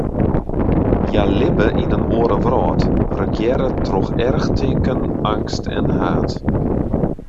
Hja libbe yn in oare wrâld, regearre troch erchtinken, eangst en haat.